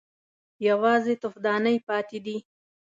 _يوازې تفدانۍ پاتې دي.